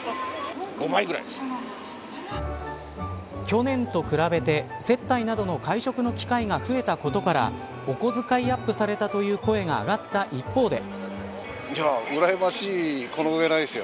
去年と比べて接待などの外食の機会が増えたことからお小遣いアップされたという声が上がった一方で。